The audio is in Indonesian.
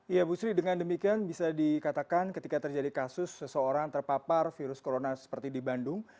iya bu sri dengan demikian bisa dikatakan ketika terjadi kasus seseorang terpapar virus corona seperti di bandung